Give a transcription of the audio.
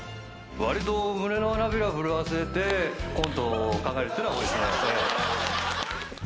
「わりと胸の花びら震わせてコントを考えるっていうのは多いっすね」